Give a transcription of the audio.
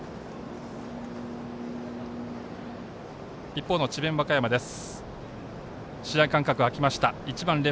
一方の智弁和歌山です。